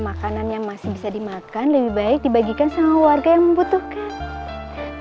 makanan yang masih bisa dimakan lebih baik dibagikan sama warga yang membutuhkan